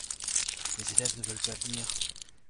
Les élèves ne veulent pas venir.